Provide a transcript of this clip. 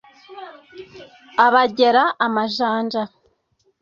abagera amajanja